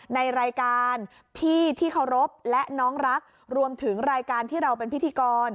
ในรายการพี่ที่เคารพและน้องรักรวมถึงรายการที่เราเป็นพิธีกร